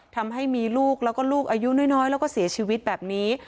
ทำให้มีลูกแล้วก็ลูกอายุน้อยแล้วก็เสียชีวิตแบบนี้